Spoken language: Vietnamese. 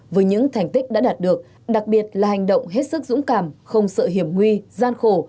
với những thành tích đã đạt được đặc biệt là hành động hết sức dũng cảm không sợ hiểm nguy gian khổ